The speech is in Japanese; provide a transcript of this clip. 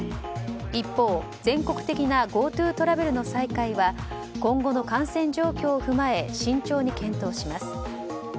一方、全国的なＧｏＴｏトラベルの再開は今後の感染状況を踏まえ慎重に検討します。